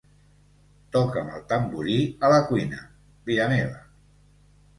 Toca'm el tamborí a la cuina, vida meva.